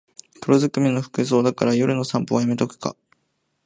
黒ずくめの服装だから夜の散歩はやめとくか